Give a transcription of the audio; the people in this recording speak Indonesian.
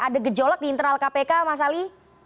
ada gejolak di internal kpk mas ali